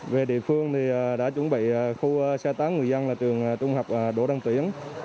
về địa phương thì đã chuẩn bị khu sơ tán người dân là trường trung học đỗ đăng tuyển